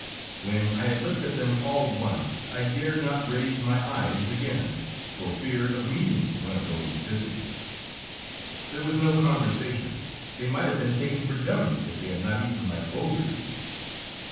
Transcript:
When I had looked at them all once I dared not raise my eyes again, for fear of meeting one of those visages. There was no conversation; they might have been taken for dummies if they had not eaten like ogres.